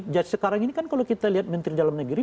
jadi sekarang ini kan kalau kita lihat menteri dalam negeri